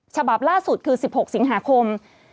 ฉบับล่าสุดคือ๑๖สิงหาคม